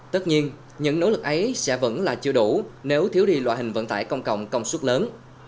tất nhiên những nỗ lực ấy sẽ vẫn là chưa đủ nếu thiếu đi loại hình vận tải công cộng công suất lớn